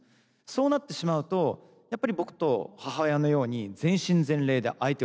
そうなってしまうとやっぱり僕と母親のように全身全霊で相手を支えてしまうと。